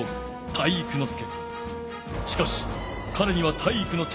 体育ノ介！